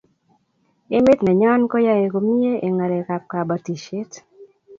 emet nenyon koae komie eng ngalek ab kabatishiet